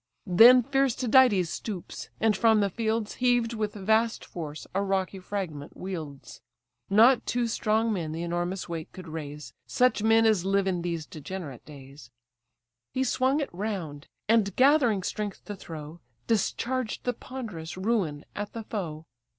Then fierce Tydides stoops; and from the fields Heaved with vast force, a rocky fragment wields. Not two strong men the enormous weight could raise, Such men as live in these degenerate days: He swung it round; and, gathering strength to throw, Discharged the ponderous ruin at the foe.